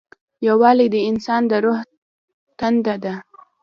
یووالی د انسان د روح تنده ده.